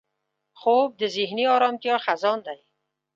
خوب د ذهني ارامتیا خزان دی